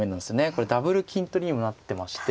これダブル金取りにもなってまして。